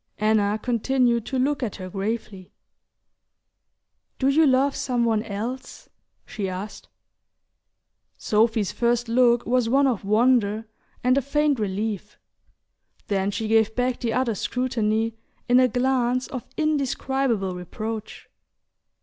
Anna continued to look at her gravely. "Do you love some one else?" she asked. Sophy's first look was one of wonder and a faint relief; then she gave back the other's scrutiny in a glance of indescribable reproach.